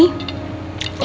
ini ada an reinsforma